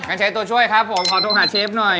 ใช้ตัวช่วยครับผมขอโทรหาเชฟหน่อย